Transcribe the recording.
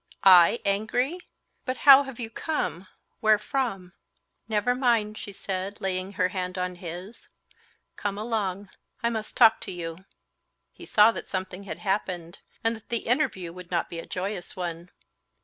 "I angry! But how have you come, where from?" "Never mind," she said, laying her hand on his, "come along, I must talk to you." He saw that something had happened, and that the interview would not be a joyous one.